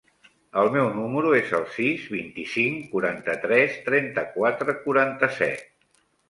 El meu número es el sis, vint-i-cinc, quaranta-tres, trenta-quatre, quaranta-set.